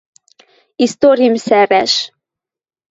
Историм сӓрӓш